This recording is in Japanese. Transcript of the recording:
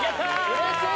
うれしい！